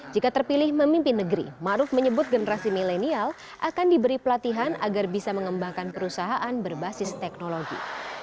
jika terpilih memimpin negeri ⁇ maruf ⁇ menyebut generasi milenial akan diberi pelatihan agar bisa mengembangkan perusahaan berbasis teknologi